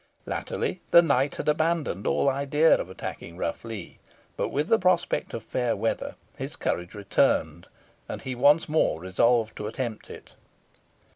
Latterly the knight had abandoned all idea of attacking Rough Lee, but with the prospect of fair weather his courage returned, and he once more resolved to attempt it.